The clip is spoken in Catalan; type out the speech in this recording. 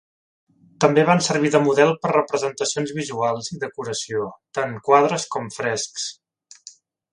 També van servir de model per representacions visuals i decoració, tant quadres com frescs.